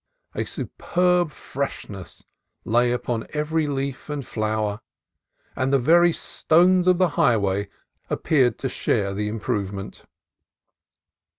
A superb freshness lay upon every leaf and flower, and the very stones of the highway appeared to share the improvement.